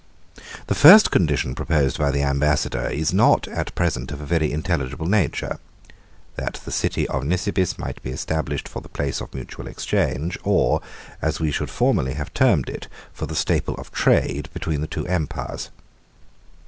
76 The first condition proposed by the ambassador is not at present of a very intelligible nature; that the city of Nisibis might be established for the place of mutual exchange, or, as we should formerly have termed it, for the staple of trade, between the two empires.